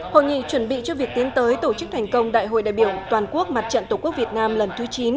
hội nghị chuẩn bị cho việc tiến tới tổ chức thành công đại hội đại biểu toàn quốc mặt trận tổ quốc việt nam lần thứ chín